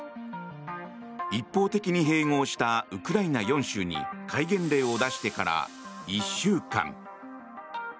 一方的に併合したウクライナ４州に戒厳令を出してから１週間。